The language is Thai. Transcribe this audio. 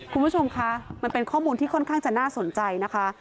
คุณผู้ชมคะมันเป็นข้อมูลที่ค่อนข้างจะน่าสนใจนะคะ